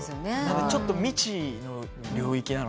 ちょっと未知の領域なので。